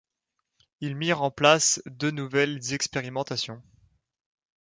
Ils mirent en place deux nouvelles expérimentations.